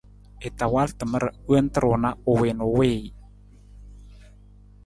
I ta wal tamar wonta ru na u wii na u wiiji.